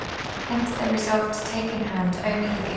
Hence they resolved to take in hand only the ca.